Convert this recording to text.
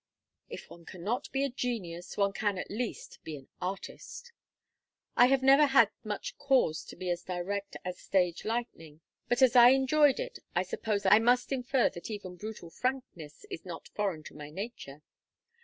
If one cannot be a genius one can at least be an artist. I have never had much cause to be as direct as stage lightning, but as I enjoyed it I suppose I may infer that even brutal frankness is not foreign to my nature.